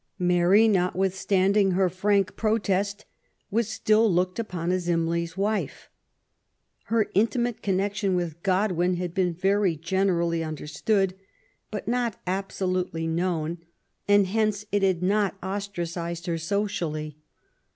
Mary, notwithstanding her frank protest, was still looked upon as Imlay's wife. Her intimate connection with Godwin had been very gene rally understood, but not absolutely known, and hence it had not ostracised her socially.